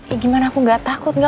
eh gimana aku gak takut gak